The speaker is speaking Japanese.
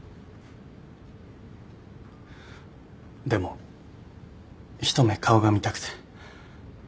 でも一目顔が見たくて。